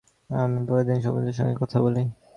আমি প্রতিদিন সমুদ্রের সঙ্গে কথা বলি।